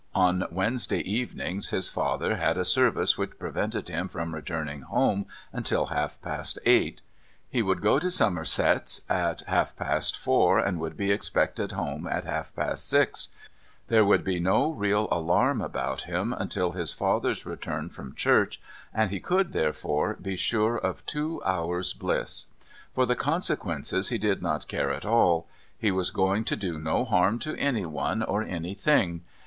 On Wednesday evenings his father had a service which prevented him from returning home until half past eight. He would go to Somerset's at half past four, and would be expected home at half past six; there would be no real alarm about him until his father's return from church, and he could, therefore, be sure of two hours' bliss. For the consequences he did not care at all. He was going to do no harm to anyone or anything.